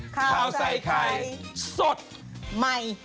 ข่าวใส่ไข่สดใหม่